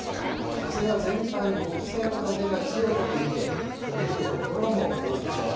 風は全般に北西の風が強く吹いて、ふぶく所も多いでしょう。